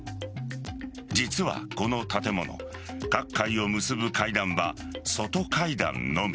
実は、この建物各階を結ぶ階段は外階段のみ。